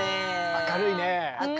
明るいね。